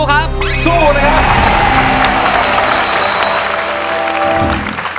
สู้ครับสู้เลยครับ